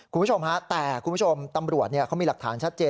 คุณผู้ชมฮะแต่คุณผู้ชมตำรวจเขามีหลักฐานชัดเจน